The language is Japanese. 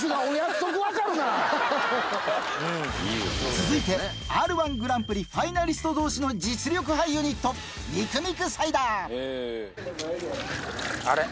続いて『Ｒ−１グランプリ』ファイナリスト同士の実力派ユニットあれ？